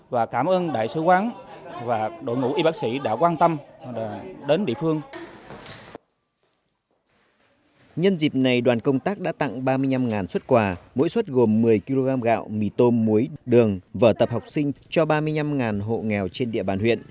vở tập học sinh cho ba mươi năm hộ nghèo trên địa bàn huyện